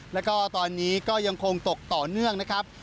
แล้วก็ตอนนี้ก็ยังคงตกต่อเนื่องนะครับ